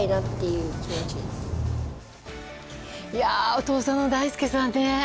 お父さんの大輔さんね。